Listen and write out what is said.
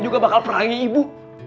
juga bakal perangi ibu